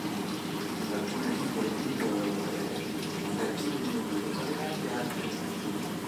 In alcune lingue indoeuropee si aggiungono obbligatoriamente altri elementi.